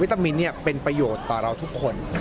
ตามินเป็นประโยชน์ต่อเราทุกคน